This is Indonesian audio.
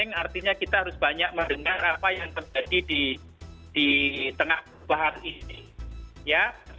yang artinya kita harus banyak mendengar apa yang terjadi di tengah perubahan ini ya